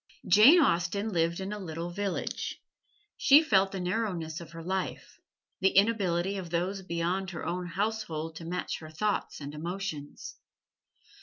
Jane Austen lived in a little village. She felt the narrowness of her life the inability of those beyond her own household to match her thoughts and emotions.